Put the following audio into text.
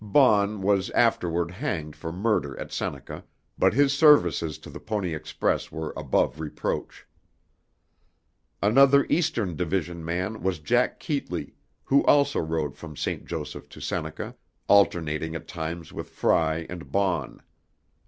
Baughn was afterward hanged for murder at Seneca, but his services to the Pony Express were above reproach. Another Eastern Division man was Jack Keetly, who also rode from St. Joseph to Seneca, alternating at times with Frey and Baughn.